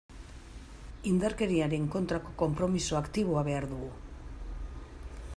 Indarkeriaren kontrako konpromiso aktiboa behar dugu.